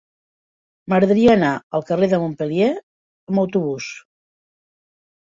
M'agradaria anar al carrer de Montpeller amb autobús.